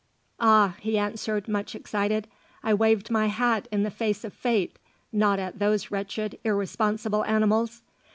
"Ah," he answered, much excited, "I waved my hat in the face of Fate, not at those wretched irresponsible animals.